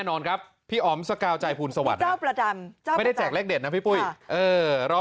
โอ้โห